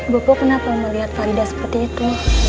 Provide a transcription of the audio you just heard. boko kenapa melihat farida seperti itu